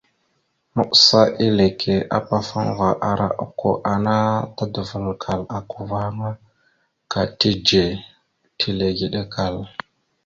Maɓəsa eleke apafaŋva ara okko ana tadəval aka uvah aŋa ka tidze, tilegeɗəkal.